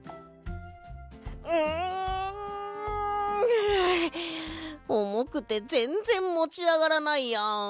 はあおもくてぜんぜんもちあがらないや。